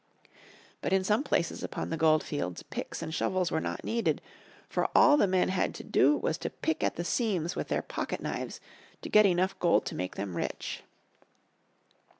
But in some places upon the gold fields picks and shovels were not needed, for all the men had to do was to pick at the seams with their pocket knives to get enough gold to make them rich.